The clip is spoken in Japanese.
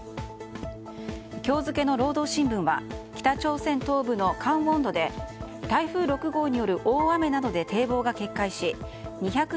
今日付の労働新聞は北朝鮮東部のカンウォン道で台風６号による大雨などで堤防が決壊し２００